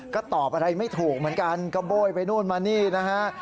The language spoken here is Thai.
ก็ตอบอะไรไม่ถูกเหมือนกันก็โบ้ยไปนู่นมานี่นะฮะ